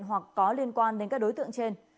hoặc có liên quan đến các đối tượng trên